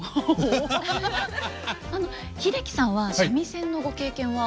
英樹さんは三味線のご経験は？